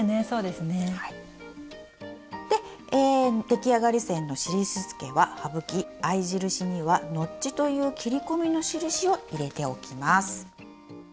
出来上がり線の印つけは省き合い印にはノッチという切り込みの印を入れておきます。